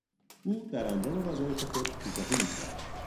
او در انجام وظایف خود کوتاهی میکرد.